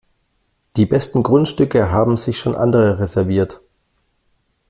Die besten Grundstücke haben sich schon andere reserviert.